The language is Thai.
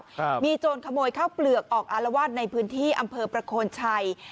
ครับมีโจรขโมยข้าวเปลือกออกอารวาสในพื้นที่อำเภอประโคนชัย